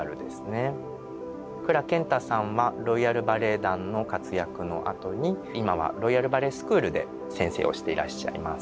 蔵健太さんはロイヤル・バレエ団の活躍のあとに今はロイヤル・バレエスクールで先生をしていらっしゃいます。